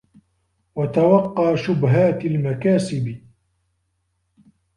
وَتَوَقَّى شُبُهَاتِ الْمَكَاسِبِ